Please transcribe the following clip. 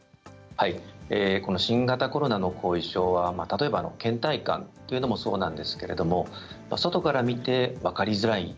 新型コロナの後遺症は例えば、けん怠感というのもそうなんですけれど外から見て分かりづらい。